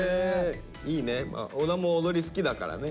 いいね小田も踊り好きだからね。